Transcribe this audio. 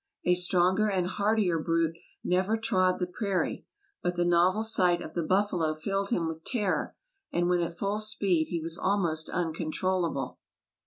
A stronger and hardier brute never trod the prairie ; but the novel sight of the buffalo filled him with terror, and when at full speed he was almost uncontrollable.